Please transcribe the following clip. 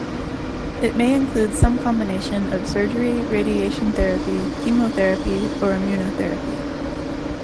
It may include some combination of surgery, radiation therapy, chemotherapy, or immunotherapy.